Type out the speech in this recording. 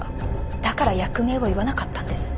だから役名を言わなかったんです。